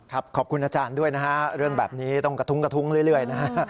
ขอบคุณอาจารย์ด้วยนะฮะเรื่องแบบนี้ต้องกระทุ้งกระทุ้งเรื่อยนะฮะ